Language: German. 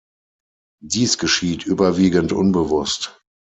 Dies geschieht überwiegend unbewusst.